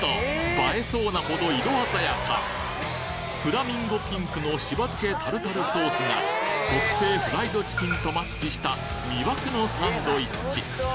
映えそうなほど色鮮やかフラミンゴピンクのしば漬タルタルソースが特製フライドチキンとマッチした魅惑のサンドイッチ